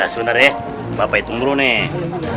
sebentar ya bapak itu nunggu nih